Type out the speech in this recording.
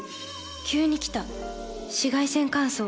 急に来た紫外線乾燥。